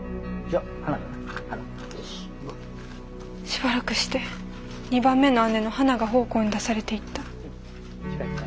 しばらくして２番目の姉のはなが奉公に出されていった。